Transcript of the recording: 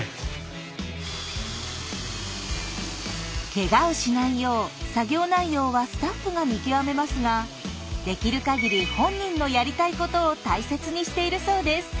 ケガをしないよう作業内容はスタッフが見極めますができるかぎり本人のやりたいことを大切にしているそうです。